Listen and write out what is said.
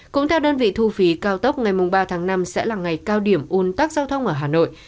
cũng theo đơn vị thu phí cao tốc ngày ba tháng năm sẽ là ngày cao điểm un tắc giao thông ở hà nội